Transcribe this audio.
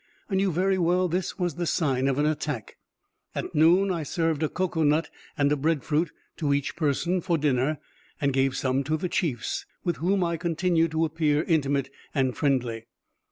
I knew very well this was the sign of an attack. At noon I served a cocoa nut and a bread fruit to each person for dinner, and gave some to the chiefs, with whom I continued to appear intimate and friendly.